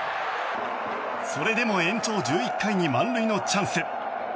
それでも延長１１回に満塁のチャンス。